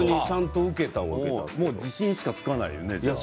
もう自信しかつかないよね。